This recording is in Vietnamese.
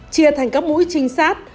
chia thành các mũi trinh sát